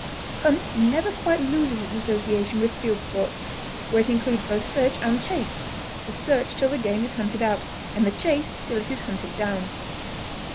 Hunt never quite loses its association with field sports, where it includes both search and chase; the search till the game is hunted out, and the chase till it is hunted down.